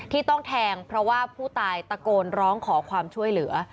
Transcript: ที่ต้องแทงเพราะว่าผู้ตายตะโกนร้องขอความช่วยเหลือ